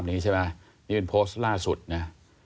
นี่เป็นโพสต์ล่าสุดนะ